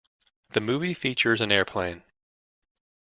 The movie features an Airplane!